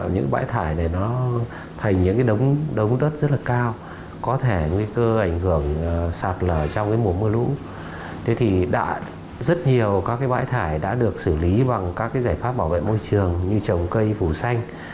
nhiều bãi thải đã được xử lý bằng các giải pháp bảo vệ môi trường như trồng cây phủ xanh